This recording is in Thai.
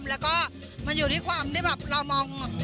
แล้วก็มันอยู่ที่ความที่แบบเรามอง